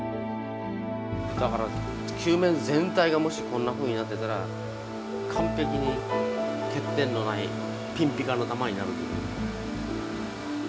だから球面全体がもしこんなふうになってたら完ぺきに欠点のないピンピカの玉になるということですね。